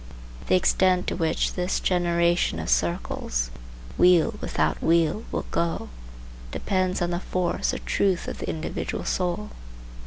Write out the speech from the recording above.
The extent to which this generation of circles, wheel without wheel, will go, depends on the force or truth of the individual soul.